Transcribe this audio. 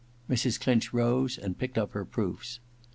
Mrs. Clinch rose and picked up her proofs.